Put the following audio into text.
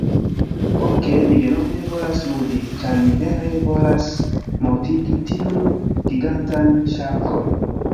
Okej, mi denove volas ludi, ĉar mi vere volas mortigi tiun gigantan ŝarkon.